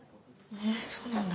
えそうなんだ。